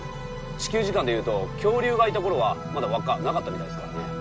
地球時間でいうと恐竜がいた頃はまだ環っかなかったみたいですからね。